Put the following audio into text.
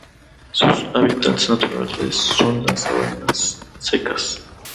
Sus hábitats naturales son las sabanas secas.